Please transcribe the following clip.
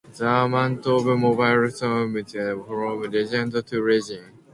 The amount of mobile spam varies widely from region to region.